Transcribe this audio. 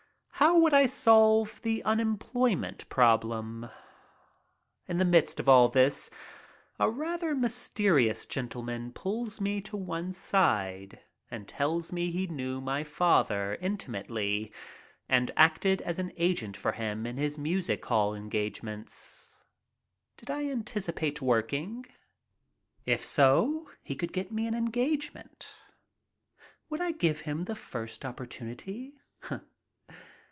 How would I solve the unemployment problem? In the midst of all this a rather mysterious gentleman pulls me to one side and tells me that he knew my father intimately and acted as agent for him in his music hall engagements. Did I anticipate working? If so, he could get me an engagement. Would I give him the first oppor tunity?